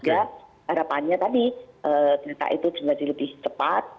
ya harapannya tadi tindakan itu menjadi lebih cepat